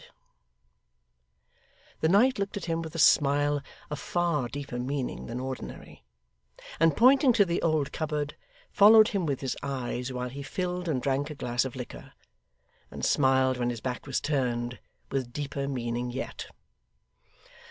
The knight looked at him with a smile of far deeper meaning than ordinary; and pointing to the old cupboard, followed him with his eyes while he filled and drank a glass of liquor; and smiled when his back was turned, with deeper meaning yet.